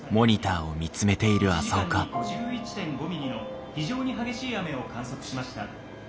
「１時間に５１．５ミリの非常に激しい雨を観測しました。